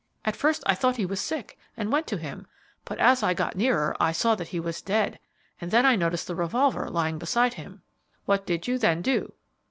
At first I thought he was sick and went to him, but as I got nearer I saw that he was dead, and then I noticed the revolver lying beside him." "What did you then do?"